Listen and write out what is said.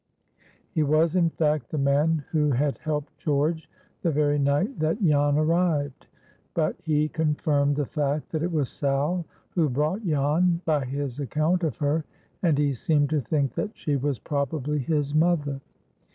He was, in fact, the man who had helped George the very night that Jan arrived. But he confirmed the fact that it was Sal who brought Jan, by his account of her, and he seemed to think that she was probably his mother.